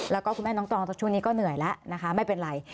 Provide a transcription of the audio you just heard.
แล้วก็คุณแม่น้องตองช่วงนี้ก็เหนื่อยแล้วนะคะไม่เป็นไร